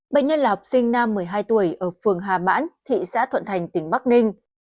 bệnh nhân là học sinh nam một mươi hai tuổi ở phường hà mãn thị xã thuận thành tỉnh bắc ninh